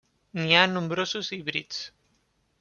N'hi ha nombrosos híbrids.